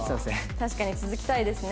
確かに続きたいですね。